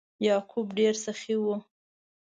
یعقوب ډیر سخي و.